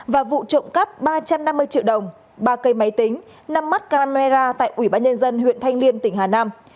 và vụ trộm cắp ba trăm năm mươi triệu đồng ba cây máy tính năm mắt camera tại ủy ban nhân dân huyện thanh liêm tỉnh hà nam